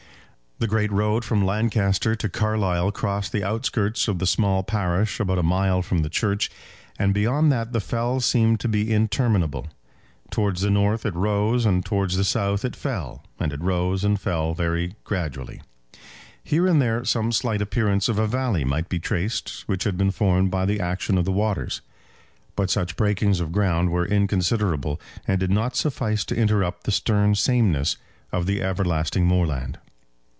The great road from Lancaster to Carlisle crossed the outskirts of the small parish about a mile from the church, and beyond that the fell seemed to be interminable. Towards the north it rose, and towards the south it fell, and it rose and fell very gradually. Here and there some slight appearance of a valley might be traced which had been formed by the action of the waters; but such breakings of ground were inconsiderable, and did not suffice to interrupt the stern sameness of the everlasting moorland.